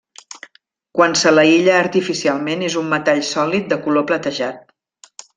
Quan se l'aïlla artificialment, és un metall sòlid de color platejat.